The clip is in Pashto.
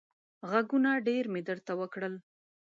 غږونه ډېر مې درته وکړل.